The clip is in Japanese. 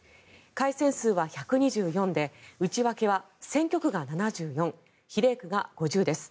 改選数は１２４で内訳は選挙区が７４比例区が５０です。